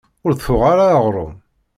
Ur d-tuɣ ara aɣṛum.